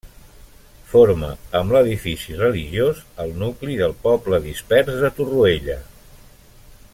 Forma, amb l'edifici religiós el nucli del poble dispers de Torroella.